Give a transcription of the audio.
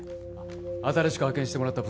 新しく派遣してもらった